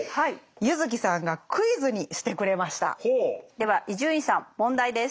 では伊集院さん問題です。